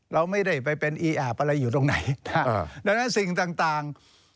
เราไม่ได้ไปเป็นอีอาบอะไรอยู่ตรงไหนดังนั้นสิ่งต่าง